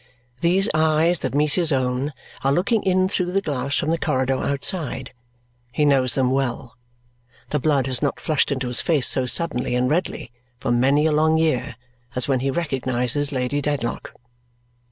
These eyes that meet his own are looking in through the glass from the corridor outside. He knows them well. The blood has not flushed into his face so suddenly and redly for many a long year as when he recognizes Lady Dedlock.